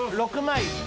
６枚。